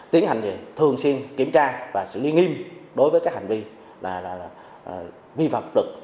tiến hành thường xuyên kiểm tra và xử lý nghiêm đối với các hành vi là vi phạm pháp luật